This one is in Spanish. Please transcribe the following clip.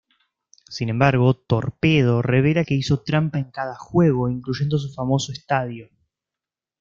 Sin embargo, Torpedo revela que hizo trampa en cada juego, incluyendo su famoso estadio.